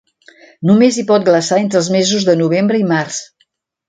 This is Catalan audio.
Només hi pot glaçar entre els mesos de novembre i març.